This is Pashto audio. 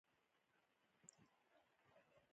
جانداد د زړه صاف طبیعت دی.